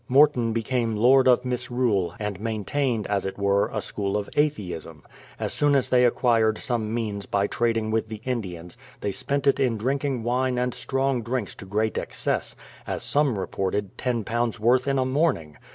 Morton became lord of misrule, and maintained, as it were, a school of Atheism. As soon as they acquired some means by trading with the Indians, they spent it in drinking wine and strong drinks to great excess, — as some reported, iio worth in a morning!